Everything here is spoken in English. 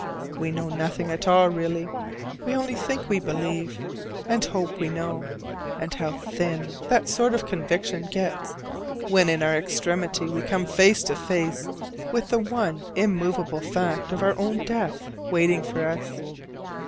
We know nothing at all really: we only think we believe, and hope we know; and how thin that sort of conviction gets when in our extremity we come face to face with the one immovable fact of our own death waiting for us!